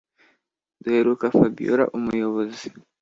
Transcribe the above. duheruka fabiora umuyobozi